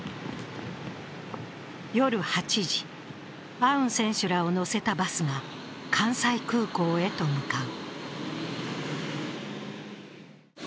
夜８時、アウン選手らを乗せたバスが関西空港へと向かう。